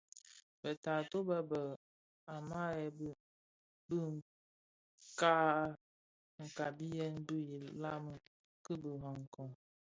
Be taatôh be be mahebe bë ka kabiya bi ilami ki birakoň.